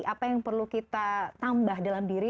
apa yang perlu kita tambah dalam diri